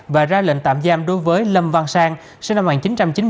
và ra lệnh tạm giam đối với lâm văn sang sinh năm một nghìn chín trăm chín mươi